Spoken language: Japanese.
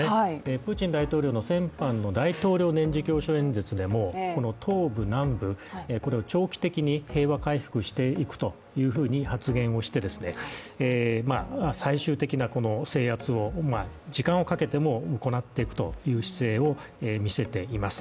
プーチン大統領の先般の年次教書演説でもこの東部・南部、これを長期的に平和回復していくと発言をして最終的な制圧を時間をかけても行っていくという姿勢を見せています。